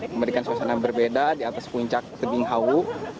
memberikan suasana yang berbeda di atas puncak tebing hau